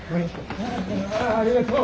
ありがとう。